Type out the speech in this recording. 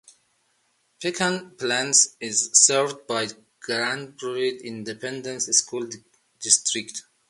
Pecan Plantation is served by the Granbury Independent School District.